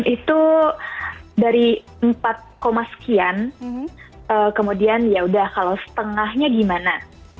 itu dari empat sekian kemudian yaudah kalau setengahnya gimana